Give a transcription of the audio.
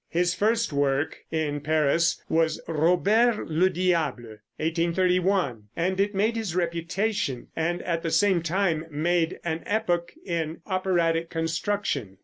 His first work in Paris was "Robert le Diable," 1831, and it made his reputation, and at the same time made an epoch in operatic construction.